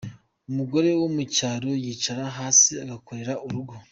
Umugore wo mu cyaro yicara hasi agakorera urugo.